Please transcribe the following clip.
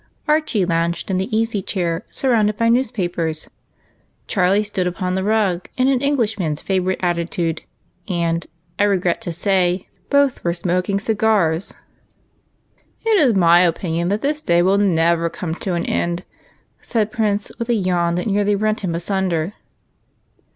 Archie lounged in the easy chair surrounded by news papers ; Charlie stood upon the rug, in an Englishman's favorite attitude, and, I regret to say, both were smok ing cigars. " It is my opinion that this day will never come to an end," said Prince, with a yawn that nearly rent him asunder.